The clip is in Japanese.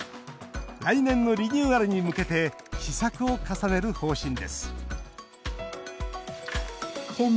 来年のリニューアルに向けて試作を重ねる方針です